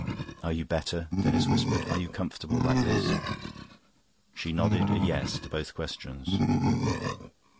"Are you better?" Denis whispered. "Are you comfortable like this?" She nodded a Yes to both questions.